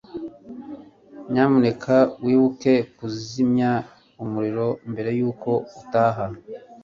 nyamuneka wibuke kuzimya umuriro mbere yuko utaha